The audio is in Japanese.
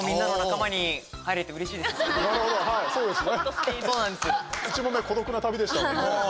なるほどはいそうですね。